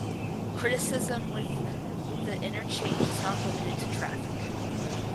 Criticism with the interchange is not limited to traffic.